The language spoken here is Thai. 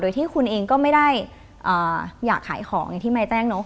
ที่คุณเองก็ไม่ได้อยากขายของอย่างที่มายแจ้งเนอะ